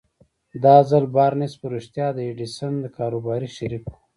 دا ځل بارنس په رښتيا د ايډېسن کاروباري شريک و.